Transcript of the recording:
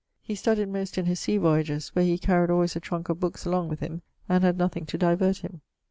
He studyed most in his sea voyages, where he carried always a trunke of bookes along with him, and had nothing to divert him.